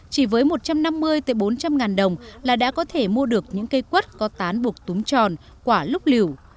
chỉ với một trăm năm mươi bốn trăm linh ngàn đồng là đã có thể mua được những cây quất có tán bục túm tròn quả lúc liều